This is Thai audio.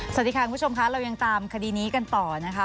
สวัสดีค่ะคุณผู้ชมค่ะเรายังตามคดีนี้กันต่อนะคะ